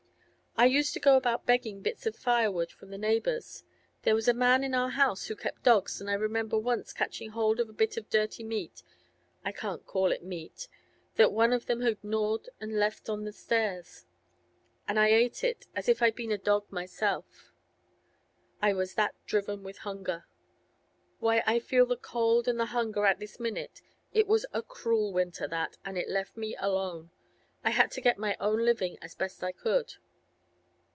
I used to go about begging bits of firewood from the neighbours. There was a man in our house who kept dogs, and I remember once catching hold of a bit of dirty meat—I can't call it meat—that one of them had gnawed and left on the stairs; and I ate it, as if I'd been a dog myself, I was that driven with hunger. Why, I feel the cold and the hunger at this minute! It was a cruel winter, that, and it left me alone. I had to get my own living as best I could.